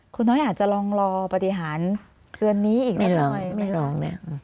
คุณน้อยอาจจะลองรอปฏิหารเกินนี้อีกสักหน่อย